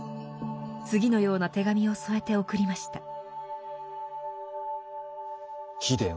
次のような手紙を添えて送りました。